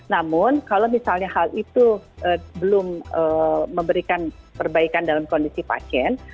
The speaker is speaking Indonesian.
namun kalau misalnya hal itu belum memberikan perbaikan dalam kondisi pasien